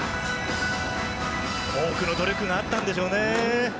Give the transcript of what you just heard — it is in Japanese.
多くの努力があったんでしょうね。